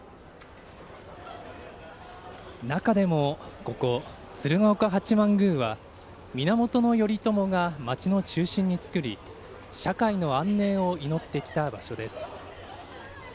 中でも、ここ鶴岡八幡宮は源頼朝が町の中心に造り社会の安寧を祈ってきた場所です。